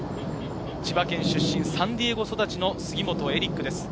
千葉県出身、サンディエゴ育ちの杉本エリックです。